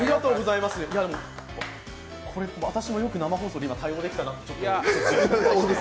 いやでもこれ、私もよく生放送で対応できたなと。